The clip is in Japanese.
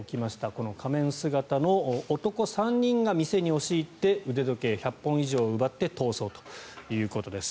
この仮面姿の男３人が店に押し入って腕時計１００本以上を奪って逃走ということです。